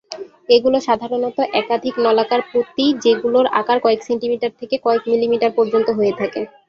এগুলো সাধারণত একাধিক নলাকার পুঁতি যেগুলোর আকার কয়েক সেন্টিমিটার থেকে কয়েক মিলিমিটার পর্যন্ত হয়ে থাকে।